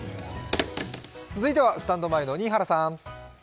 続いてはスタンド前の新原さん。